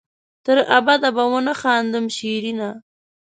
تر ابده به ونه خاندم شېرينه